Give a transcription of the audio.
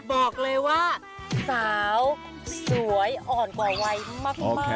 บอกเลยว่าสาวสวยอ่อนกว่าวัยมาก